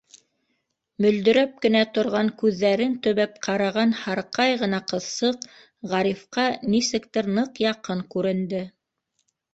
Мөлдөрәп кенә торған күҙҙәрен төбәп ҡараған һарыҡай ғына ҡыҙсыҡ Ғарифҡа нисектер ныҡ яҡын күренде.